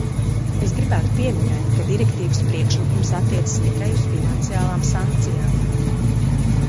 Es gribētu pieminēt, ka direktīvas priekšlikums attiecas tikai uz finansiālām sankcijām.